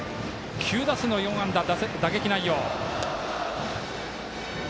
９打数４安打の打撃内容。